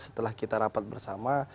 setelah kita rapat bersama